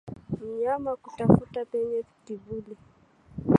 Mnyama kutafuta penye kivuli